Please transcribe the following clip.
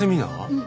うん。